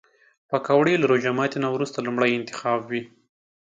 پکورې له روژه ماتي نه وروسته لومړی انتخاب وي